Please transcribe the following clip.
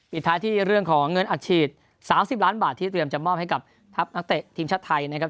ท้ายที่เรื่องของเงินอัดฉีด๓๐ล้านบาทที่เตรียมจะมอบให้กับทัพนักเตะทีมชาติไทยนะครับ